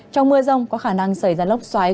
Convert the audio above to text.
trong mưa rông có khả năng xảy ra lốc xoáy